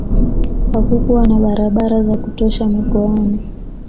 hakukuwa na barabara za kutosha mikoani